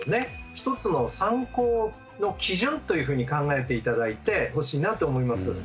一つの参考の基準というふうに考えて頂いてほしいなと思います。